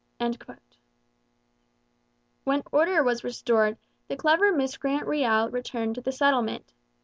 ' When order was restored the clever miscreant Riel returned to the settlement.